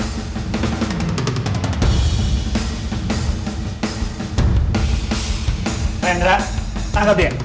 reddra tangkap dia